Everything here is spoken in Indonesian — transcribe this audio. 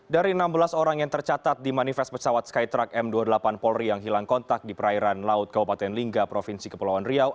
dari enam belas orang yang tercatat di manifest pesawat skytruck m dua puluh delapan polri yang hilang kontak di perairan laut kabupaten lingga provinsi kepulauan riau